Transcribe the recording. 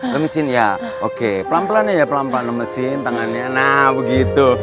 kemisin ya oke pelan pelan aja ya pelan pelan mesin tangannya nah begitu